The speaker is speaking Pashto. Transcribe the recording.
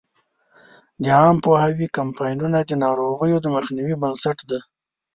د عامه پوهاوي کمپاینونه د ناروغیو د مخنیوي بنسټ دی.